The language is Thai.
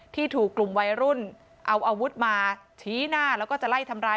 ที่ถูกกลุ่มวัยรุ่นเอาอาวุธมาชี้หน้าแล้วก็จะไล่ทำร้าย